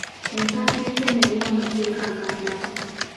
Empandiika eno erimu amateeka agawerako